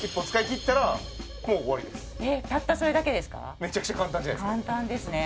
めちゃくちゃ簡単じゃないですか？